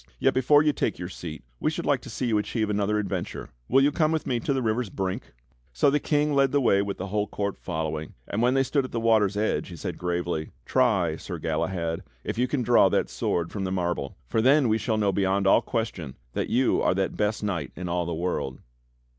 Yet before you take your seat we should like to see you achieve another adventure. Will you come with me to the river's brink?" So the King led the way with the whole court following, and when they stood at the water's edge, he said gravely: "Try, Sir Galahad, if you can draw that sword from the marble, for then we shall know beyond all question that you are that best knight in all the world."